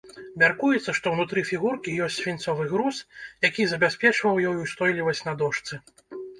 Мяркуецца, што ўнутры фігуркі ёсць свінцовы груз, які забяспечваў ёй ўстойлівасць на дошцы.